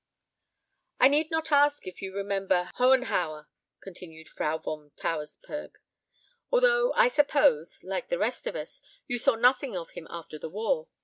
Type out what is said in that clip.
"I need not ask if you remember Hohenhauer," continued Frau von Tauersperg, "although, I suppose, like the rest of us, you saw nothing of him after the war.